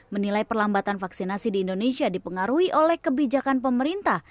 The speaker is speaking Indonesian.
menilai perlambatan vaksinasi di indonesia dipengaruhi oleh kebijakan pemerintah